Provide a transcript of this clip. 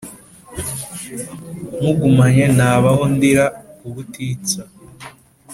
Nkugumanye nabaho ndira ubutitsa